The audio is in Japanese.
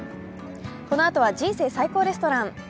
このあとは「人生最高レストラン」。